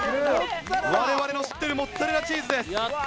我々の知ってるモッツァレラチーズです。